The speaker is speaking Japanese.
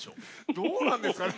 どうなんですかね？